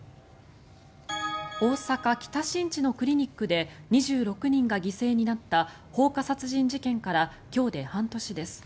大阪・北新地のクリニックで２６人が犠牲になった放火殺人事件から今日で半年です。